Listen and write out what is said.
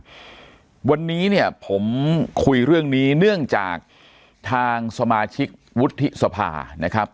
ถ้าคุณคิดว่าเดินทางนี้เนี่ยผมคุยเรื่องนี้เนื่องจากทางสมาชิกวุฒิศภานะครับ